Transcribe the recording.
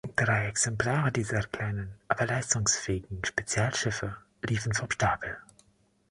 Drei Exemplare dieser kleinen, aber leistungsfähigen Spezialschiffe liefen vom Stapel.